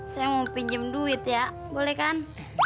saya mau pinjam duit ya boleh kan